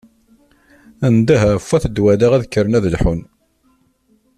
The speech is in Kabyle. Ndeh ɣef wat Dwala ad kkren ad lḥun.